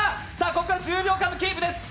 ここから１０秒間、キープです。